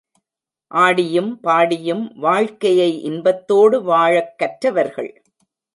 ஆடியும் பாடியும் வாழ்க்கையை இன்பத்தோடு வாழக் கற்றவர்கள்.